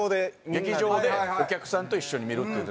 劇場でお客さんと一緒に見るっていう。